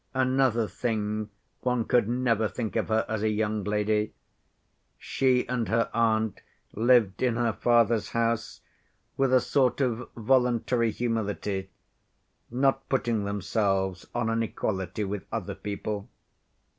Another thing, one could never think of her as a young lady. She and her aunt lived in her father's house with a sort of voluntary humility, not putting themselves on an equality with other people.